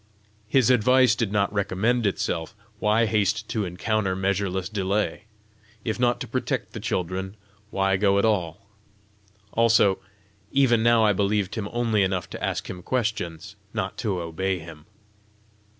His advice did not recommend itself: why haste to encounter measureless delay? If not to protect the children, why go at all? Alas, even now I believed him only enough to ask him questions, not to obey him!